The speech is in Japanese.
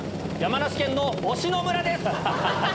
山梨県の忍野村です！